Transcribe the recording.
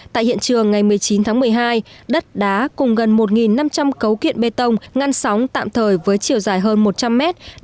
tại hiện trường ngày một mươi chín tháng một mươi hai đất đá cùng gần một năm trăm linh cấu kiện bê tông ngăn sóng tạm thời với chiều dài hơn một trăm linh mét